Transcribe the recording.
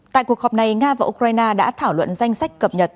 tại cuộc họp này nga và ukraine đã thảo luận danh sách cập nhật